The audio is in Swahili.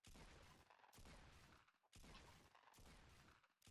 mauaji ya kimbari yalifuatwa na mauaji ya halaiki ya watu wote